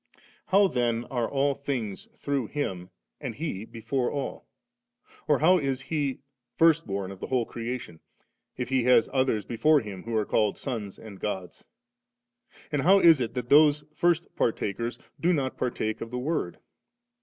How then are all things through Him, and He before all ? or how is He * first bom of the whole creation 3,' if He has others before Him who are called sons and gods ? And how is it that those first partakers * do not partake of the Word